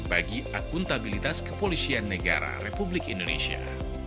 bagi akuntabilitas kepolisian negara republik indonesia